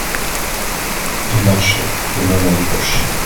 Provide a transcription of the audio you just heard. Il marchait les mains dans les poches.